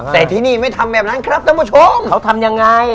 แต่ที่นี่ไม่ทำแบบนั้นครับท่านผู้ชมเขาทำยังไง